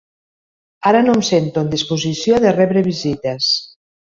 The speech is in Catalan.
Ara no em sento en disposició de rebre visites.